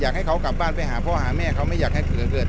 ให้เขากลับบ้านไปหาพ่อหาแม่เขาไม่อยากให้เกิด